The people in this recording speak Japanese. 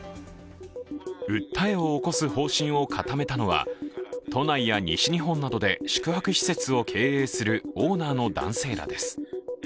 訴えを起こす方針を固めたのは都内や西日本などで宿泊施設を経営するオーナーの男性らです。